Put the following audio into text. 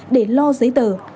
để lo giấy tờ